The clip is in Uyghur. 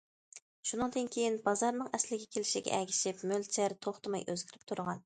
شۇنىڭدىن كېيىن، بازارنىڭ ئەسلىگە كېلىشىگە ئەگىشىپ مۆلچەر توختىماي ئۆزگىرىپ تۇرغان.